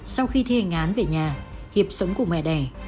sau khi thê ngán về nhà hiệp sống cùng mẹ đẻ